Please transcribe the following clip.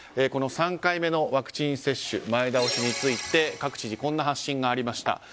この３回目のワクチン接種前倒しについて各知事、こんな発信がありました。